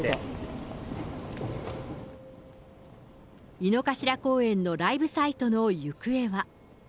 井の頭公園のライブサイトの行方は。